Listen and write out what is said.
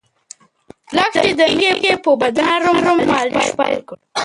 لښتې د مېږې په بدن نرمه مالش پیل کړ.